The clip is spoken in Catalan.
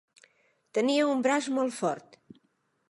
Tenia un braç molt fort.